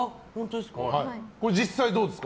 実際どうですか。